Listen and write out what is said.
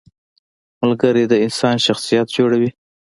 • ملګری د انسان شخصیت جوړوي.